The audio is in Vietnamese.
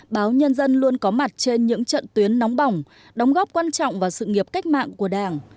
báo nhân dân luôn có mặt trên những trận tuyến nóng bỏng đóng góp quan trọng vào sự nghiệp cách mạng của đảng